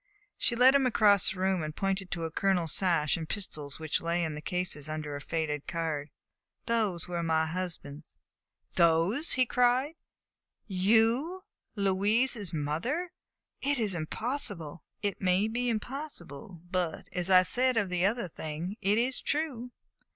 She led him across the room, and pointed to a colonel's sash and pistols which lay in one of the cases under a faded card. "Those were my husband's." "Those!" he cried. "You Louise's mother? It is impossible!" "It may be impossible; but, as I said of the other thing, it is true."